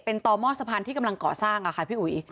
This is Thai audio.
เป็นต่อหม้อสะพานที่กำลังก่อสร้างค่ะพี่อุ๋ย